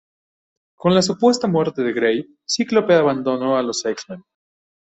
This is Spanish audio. Con la supuesta muerte de Grey, Cíclope abandonó a los X-Men.